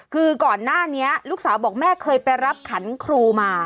คือก่อนหน้านี้ลูกสาวบอกแม่เคยไปรับขันครูมา